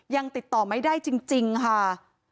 ยังติดต่อไม่ได้จริงค่ะ